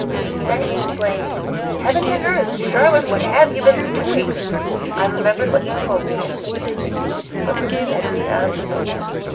Then he exclaimed, 'Heavens and earth! Charlotte, what have you been doing?' I remembered what you told me and said nothing, but looked steadily out of the window.